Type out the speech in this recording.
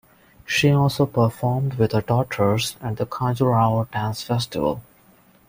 She also performed with her daughters at the Khajuraho Dance Festival.